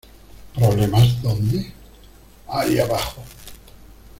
¿ Problemas, dónde? ¡ ahí abajo!